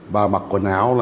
và mặc quần áo